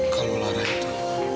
kalau lara itu